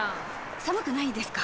暑くないんですか？